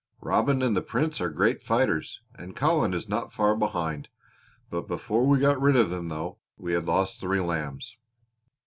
Robin and the Prince are great fighters, and Colin is not far behind. Before we got rid of them, though, we had lost three lambs.